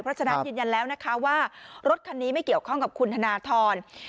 เพราะฉะนั้นยืนยันแล้วนะคะว่ารถคันนี้ไม่เกี่ยวข้องกับคุณธนทร